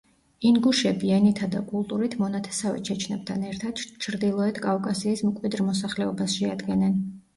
ინგუშები ენითა და კულტურით მონათესავე ჩეჩნებთან ერთად ჩრდილოეთ კავკასიის მკვიდრ მოსახლეობას შეადგენენ.